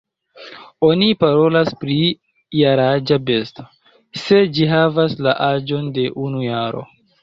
Oni parolas pri jaraĝa besto, se ĝi havas la aĝon de unu jaro.